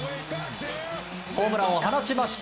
ホームランを放ちました。